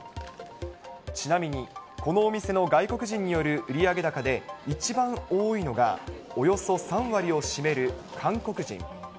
ちなみに、このお店の外国人による売上高で一番多いのが、およそ３割を占める韓国人。